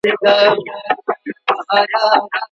بخښنه کول د زړورو انسانانو کار دی.